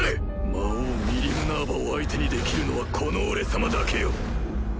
魔王ミリム・ナーヴァを相手にできるのはこの俺様だけよ！